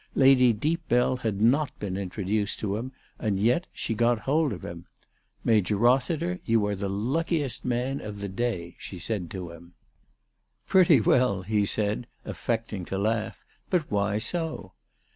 Lady Deepbell had not been introduced to him, and yet she got hold of him. " Major Rossiter, you are the luckiest man of the day/' she said to him. ALICE DTJGDALE. 377 " Pretty well," said he, affecting to laugh; "but why so